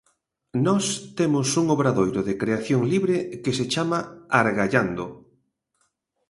Nós temos un obradoiro de creación libre que se chama "Argallando".